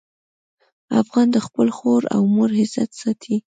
افغان د خپل خور او مور عزت ساتي.